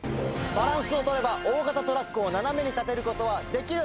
バランスをとれば大型トラックを斜めに立てることはできる？